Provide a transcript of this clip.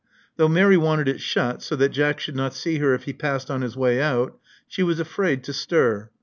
Though Mary wanted it shut, so that Jack should not see her if he passed on his way out, she was afraid to stir.